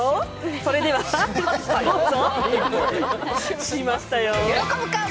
それでは、どうぞ！